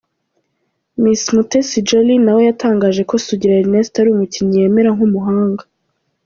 Miss Mutesi Jolly nawe yatangaje ko Sugira Ernest ari umukinnyi yemera nk'umuhanga.